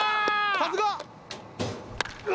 さすが！